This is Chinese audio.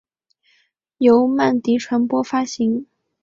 由曼迪传播发行。